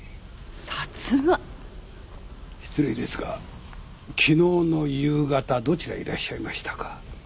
失礼ですが昨日の夕方どちらへいらっしゃいましたか？